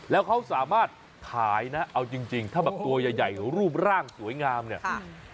แล้วเขาสามารถขายนะเอาจริงจริงถ้าแบบตัวใหญ่ใหญ่รูปร่างสวยงามเนี่ย